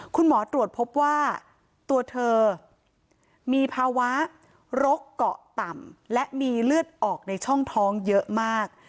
คุณหมอตรวจพบว่าตัวเธอมีภาวะโรคเกาะต่ำและมีเลือดออกในช่องท้องเยอะมาก